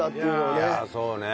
いやそうね。